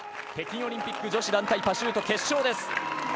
北京オリンピック女子団体パシュート決勝です。